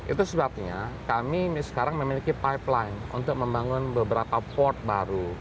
itu sebabnya kami sekarang memiliki pipeline untuk membangun beberapa port baru